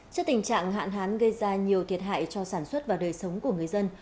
trước tình trạng hạn hán gây ra nhiều thiệt hại cho sản xuất và đời sống của người dân